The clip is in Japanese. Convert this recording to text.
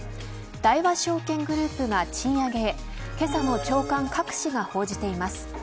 大和証券グループが賃上げへけさも各紙が報じています。